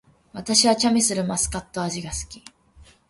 私はチャミスルマスカット味が好き